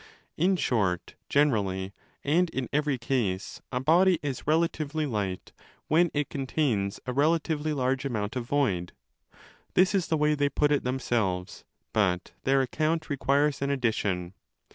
In short, generally and in every 19 case a body is relatively light when it contains a relatively large amount of void. This is the way they put it them selves, but their account requires an addition.